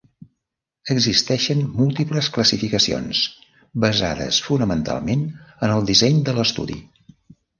Existeixen múltiples classificacions, basades fonamentalment en el disseny de l’estudi.